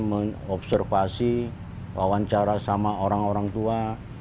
mengobservasi wawancara sama orang orang tua